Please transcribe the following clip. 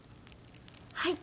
はい！